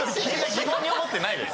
・疑問に思ってないです・